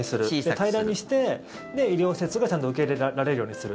平らにして医療施設がちゃんと受け入れられるようにする。